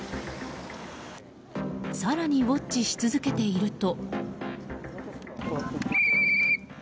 更にウォッチし続けていると。